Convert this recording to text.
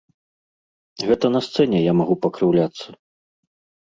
Гэта на сцэне я магу пакрыўляцца.